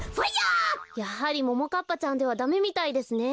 やはりももかっぱちゃんではダメみたいですね。